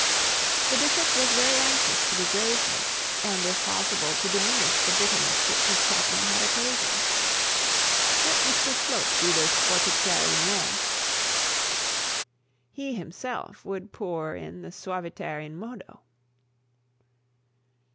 The bishop was very anxious to be gracious, and, if possible, to diminish the bitterness which his chaplain had occasioned. Let Mr Slope do the fortiter in re, he himself would pour in the suaviter in modo.